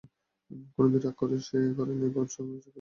কোনোদিন রাগ সে করে নাই, ভর্ৎসনার চোখে চাহে নাই।